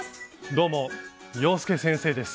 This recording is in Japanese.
どうも洋輔先生です。